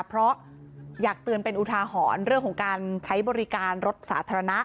เพราะอยากเตือนเป็นอุทาหรณ์เรื่องของการใช้บริการรถสาธารณะ